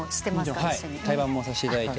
対バンもさせていただいて。